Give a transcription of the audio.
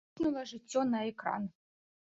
Пырснула жыццё на экран.